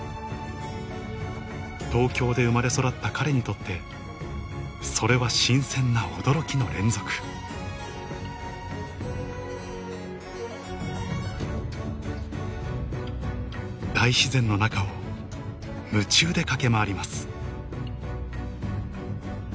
東京で生まれ育った彼にとってそれは新鮮な驚きの連続大自然の中を夢中で駆け回ります